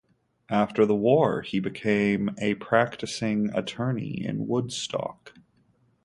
After the war, he became a practicing attorney in Woodstock.